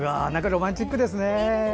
ロマンチックですね。